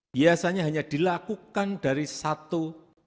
biasanya hanya dilakukan dari satu